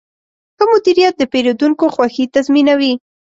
ښه مدیریت د پیرودونکو خوښي تضمینوي.